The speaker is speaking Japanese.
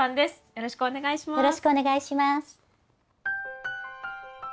よろしくお願いします。